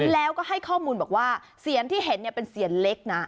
แล้วก็ให้ข้อมูลบอกว่าเสียนที่เห็นเป็นเซียนเล็กนะ